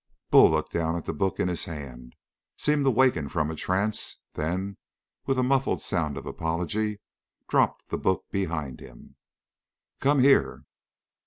Bull looked down at the book in his hand, seemed to waken from a trance, then, with a muffled sound of apology, dropped the book behind him. "Come here!"